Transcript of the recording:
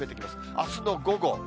あすの午後。